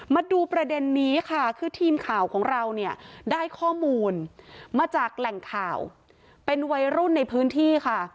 มาดูประเด็นนี้ค่ะคือทีมข่าวของเราเนี่ยได้ข้อมูลมาจากแหล่งข่าวเป็นวัยรุ่นในพื้นที่ค่ะ